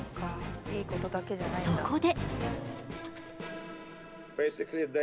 そこで。